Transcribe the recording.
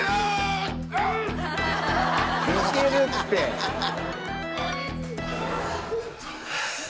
ハハハ！